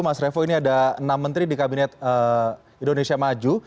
mas revo ini ada enam menteri di kabinet indonesia maju